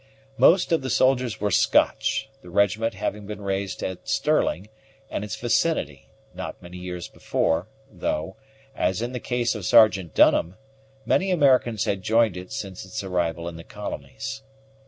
Most of the soldiers were Scotch, the regiment having been raised at Stirling and its vicinity not many years before, though, as in the case of Sergeant Dunham, many Americans had joined it since its arrival in the colonies.